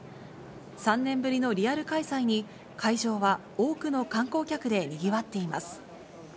３年ぶりのリアル開催に、会場は多くの観光客でにぎわっています。